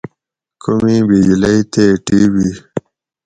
کومی بجلئ تے ٹی وی